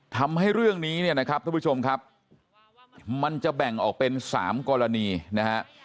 ทำให้เรื่องนี้เนี่ยนะครับท่านผู้ชมครับมันจะแบ่งออกเป็น๓กรณีนะฮะ